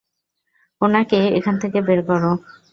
ওনাকে এখান থেকে বের করো।